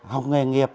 học nghề nghiệp